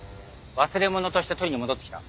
忘れ物として取りに戻ってきた。